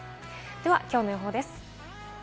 きょうの予報です。